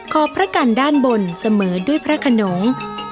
ขอพระกันด้านบนเสมอด้วยพระขนง